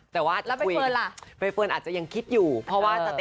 แต่ว่า